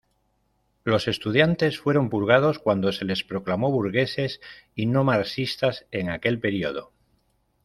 Los estudiantes fueron purgados cuando se les proclamó burgueses y no-marxistas en aquel periodo.